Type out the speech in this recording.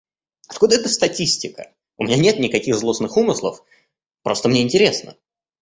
Откуда эта статистика? У меня нет никаких злостных умыслов, просто мне интересно.